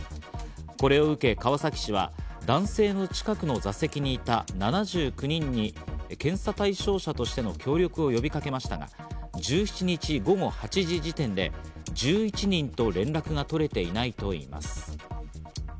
これを受け、川崎市は男性の近くの座席にいた７９人に検査対象者としての協力を呼びかけましたが、１７日、午後８時時点で１１人と連絡が取れていないといいます。